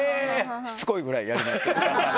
しつこいぐらいやります。